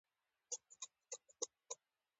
افغانستان کې د وادي په اړه زده کړه کېږي.